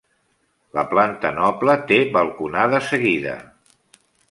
La planta noble té balconada seguida.